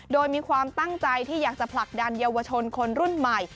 โดยมีความตั้งใจที่อยากจะผลักดันเยาวชนคนรุ่นใหม่